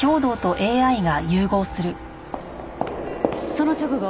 その直後